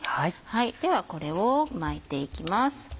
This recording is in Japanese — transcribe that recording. ではこれを巻いていきます。